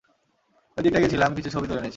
ওই দিকটাই গেছিলাম, কিছু ছবি তুলে এনেছি।